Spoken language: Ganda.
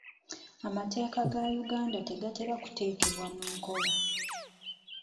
Amateeka ga Uganda tegatera kuteekebwa mu nkola.